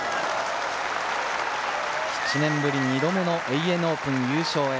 ７年ぶり２度目のＡＮＡオープン優勝へ。